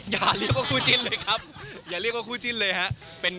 อย่าเรียกว่าคู่จิ้นเลยครับอย่าเรียกว่าคู่จิ้นเลยฮะ